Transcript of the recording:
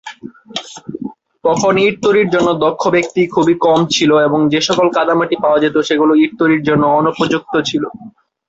তখন ইট তৈরির জন্য দক্ষ ব্যক্তি খুবই কম ছিল এবং যেসকল কাদামাটি পাওয়া যেত সেগুলো ইট তৈরির জন্য অনুপযুক্ত ছিল।